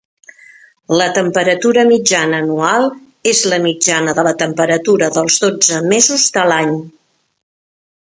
La temperatura mitjana anual és la mitjana de la temperatura dels dotze mesos de l'any.